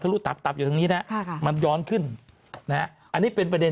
รู้ตับตับอยู่ทางนี้นะมันย้อนขึ้นนะฮะอันนี้เป็นประเด็น